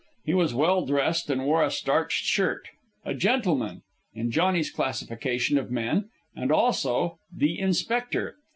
He was well dressed and wore a starched shirt a gentleman, in Johnny's classification of men, and also, "the Inspector."